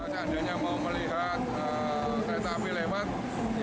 kalau ada yang mau melihat kereta api lewat